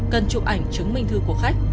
cần chụp ảnh chứng minh thư của khách